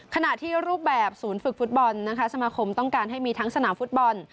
ขณะที่รูปแบบศูนย์ฝึกฟุตบอลนะคะสมาคมต้องการให้มีทั้งสนามฟุตบอล